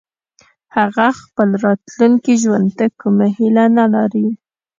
هغه خپل راتلونکي ژوند ته کومه هيله نه لري